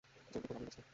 জলদি বলো, আমি ব্যস্ত।